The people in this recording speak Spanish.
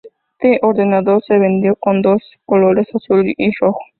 Este ordenador se vendió en dos colores: azul y rojo.